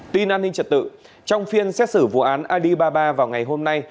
tuy năn hình trật tự trong phiên xét xử vụ án alibaba vào ngày hôm nay